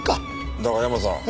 だがヤマさん。